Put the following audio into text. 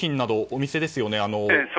お店ですよね。